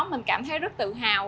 mình cảm thấy rất tự hào